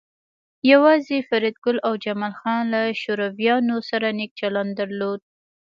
یوازې فریدګل او جمال خان له شورویانو سره نیک چلند درلود